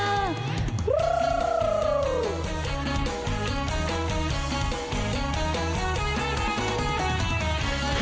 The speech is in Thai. เตรียมพับกรอบ